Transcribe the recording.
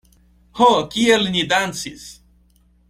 Ho, kiel ni dancis!